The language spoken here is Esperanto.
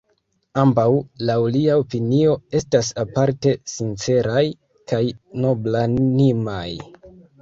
Ambaŭ, laŭ lia opinio, estas aparte sinceraj kaj noblanimaj.